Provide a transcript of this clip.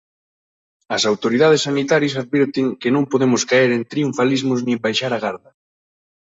As autoridades sanitarias advirten que non podemos caer en triunfalismos nin baixar a garda.